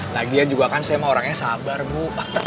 lagian juga kan saya emang orangnya sabar bu